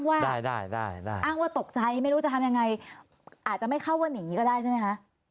ได้ได้อ้างว่าตกใจไม่รู้จะทำยังไงอาจจะไม่เข้าว่าหนีก็ได้ใช่ไหมคะ